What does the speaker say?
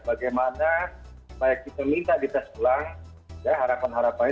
bagaimana supaya kita minta ditest ulang harapan harapannya